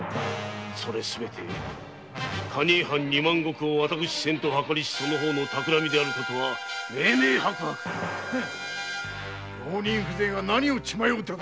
すべて蟹江藩二万石を私せんとするその方のたくらみである事は明々白々浪人風情が何を血迷うたか